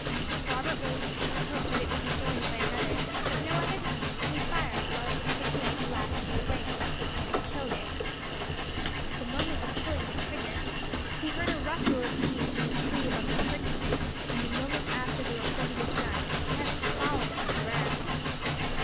Robert waited in the hope that it would be joined by another; but no other coming, he fired while it was picking up the last few grains, and killed it. The moment of pulling the trigger, he heard a rustle of leaves in the tree above the turkey, and the moment after the report of his gun a heavy fall upon the ground.